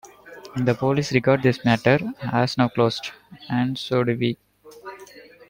The police regard this matter as now closed, and so do we.